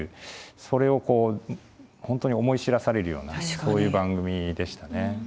それを本当に思い知らされるようなそういう番組でしたね。